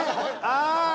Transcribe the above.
ああ！